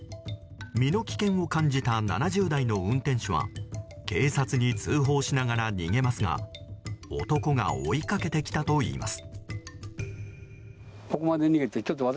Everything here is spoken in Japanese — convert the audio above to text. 身の危険を感じた７０代の運転手は警察に通報しながら逃げますが男が追いかけてきたといいます。